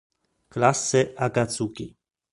Classe Akatsuki